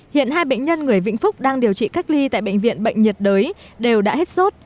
hiện hai bệnh nhân người vĩnh phúc đang điều trị cách ly tại bệnh viện bệnh nhiệt đới đều đã hết sốt